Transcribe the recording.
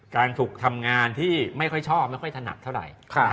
การถูกทำงานที่ไม่ค่อยชอบไม่ค่อยถนัดเท่าไหร่